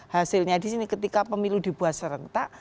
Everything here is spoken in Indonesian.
hasilnya disini ketika pemilu dibuat serentak